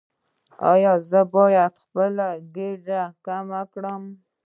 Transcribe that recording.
ایا زه باید خپل ګیډه کمه کړم؟